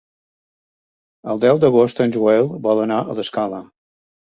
El deu d'agost en Joel vol anar a l'Escala.